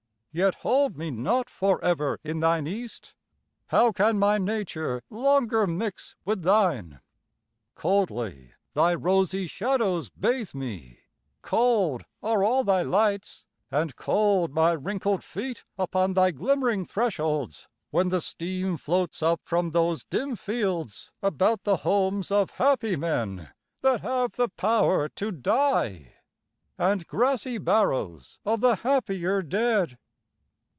Yet hold me not for ever in thine East: How can my nature longer mix with thine? Coldly thy rosy shadows bathe me, cold Are all thy lights, and cold my wrinkled feet Upon thy glimmering thresholds, when the steam Floats up from those dim fields about the homes Of happy men that have the power to die, And grassy barrows of the happier dead.